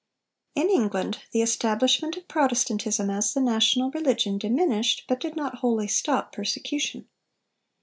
In England the establishment of Protestantism as the national religion diminished, but did not wholly stop, persecution.